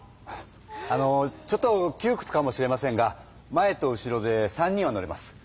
あのちょっときゅうくつかもしれませんが前と後ろで３人は乗れます。